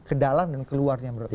kedalam dan keluarnya menurut anda